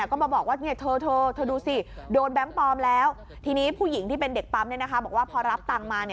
ก็มาบอกว่าทร